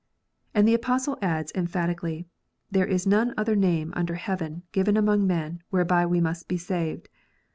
And the Apostle adds emphatically, "There is none other name under heaven given among men, whereby we must be saved."